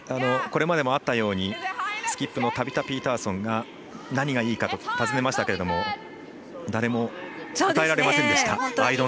これまでもあったようにスキップのタビタ・ピーターソンが何がいいかと尋ねましたけども誰も答えられませんでした。